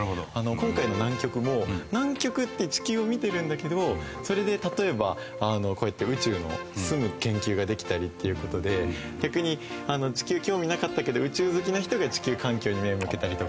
今回の南極も南極って地球を見てるんだけどそれで例えばこうやって宇宙の住む研究ができたりっていう事で逆に地球興味なかったけど宇宙好きな人が地球環境に目を向けたりとか。